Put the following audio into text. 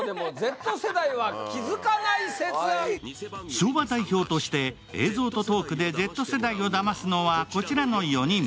昭和代表として映像とトークでＺ世代をだますのは、こちらの４人。